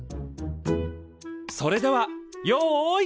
それではよい。